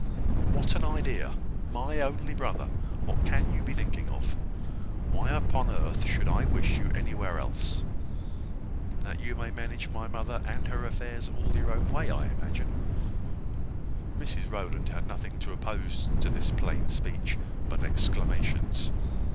"What an idea! My only brother! What can you be thinking of? Why upon earth should I wish you anywhere else?" "That you may manage my mother and her affairs all your own way, I imagine." Mrs Rowland had nothing to oppose to this plain speech but exclamations.